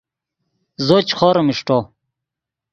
زو چے خوریم اݰٹو